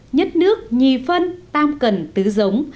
nhất nước nhì phân tam cần tứ giống